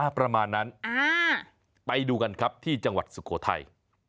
ประมาณนั้นไปดูกันครับที่จังหวัดสุโขทัย